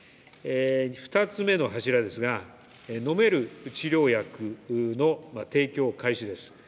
２つ目の柱ですが、飲める治療薬の提供開始です。